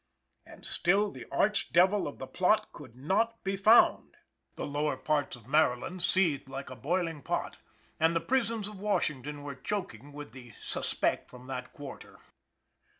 And still the arch devil of the plot could not be found! The lower parts of Maryland seethed like a boiling pot, and the prisons of Washington were choking with the "suspect" from that quarter.